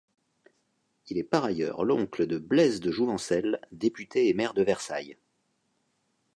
Il est par ailleurs l'oncle de Blaise de Jouvencel, député et maire de Versailles.